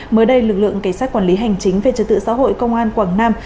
mới đây lực lượng cảnh sát quản lý hành chính về trật tự xã hội công an quảng nam